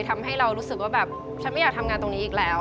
ทำให้เรารู้สึกว่าแบบฉันไม่อยากทำงานตรงนี้อีกแล้ว